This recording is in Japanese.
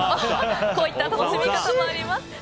こういった楽しみ方もあります。